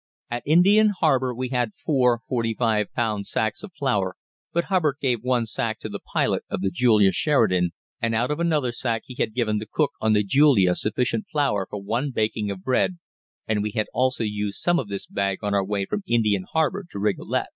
At Indian Harbour we had four 45 pound sacks of flour, but Hubbard gave one sack to the pilot of the Julia Sheridan, and out of another sack he had given the cook on the Julia sufficient flour for one baking of bread, and we had also used some of this bag on our way from Indian Harbour to Rigolet.